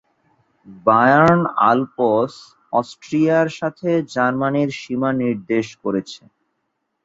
Bayern Alps অস্ট্রিয়ার সাথে জার্মানির সীমা নির্দেশ করেছে।